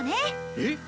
えっ！？